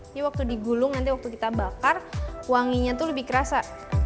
ini waktu digulung nanti waktu kita bakar wanginya tuh lebih kerasa